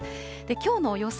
きょうの予想